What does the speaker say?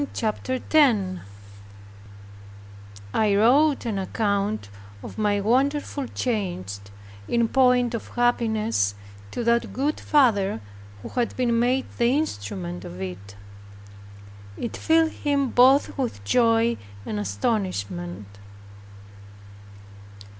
CHAPTER 10 I wrote an account of my wonderful change, in point of happiness, to that good father who had been made the instrument of it. It filled him both with joy and astonishment.